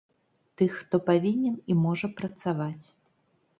Тых, хто павінен і можа працаваць.